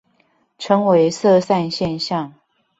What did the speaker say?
稱為色散現象